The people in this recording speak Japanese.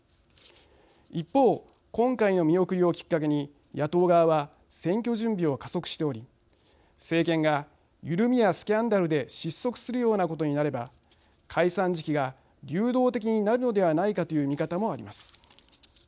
一方今回の見送りをきっかけに野党側は選挙準備を加速しており政権が緩みやスキャンダルで失速するようなことになれば解散時期が流動的になるのではないかという見方もあります。